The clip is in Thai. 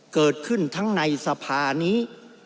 เกิดขึ้นทั้งในสภานี้